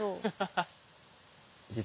ハハハッ。